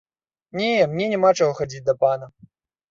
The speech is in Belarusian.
Не, мне няма чаго хадзіць да пана.